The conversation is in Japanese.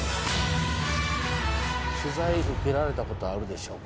取材受けられた事あるでしょうか？